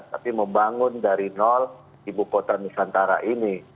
tapi membangun dari nol ibu kota nusantara ini